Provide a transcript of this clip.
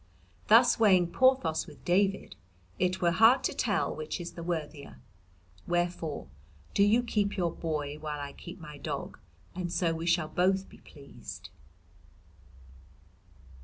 "Thus weighing Porthos with David it were hard to tell which is the worthier. Wherefore do you keep your boy while I keep my dog, and so we shall both be pleased."